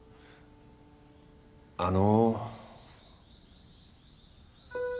あの。